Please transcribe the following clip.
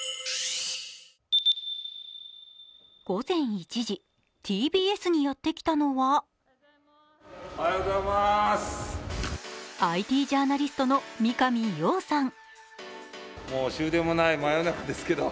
午前１時、ＴＢＳにやってきたのはＩＴジャーナリストの三上洋さん。